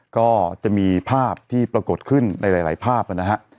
ก็จะมีภาพที่ปรากฏขึ้นในหลายภาพนะฮะ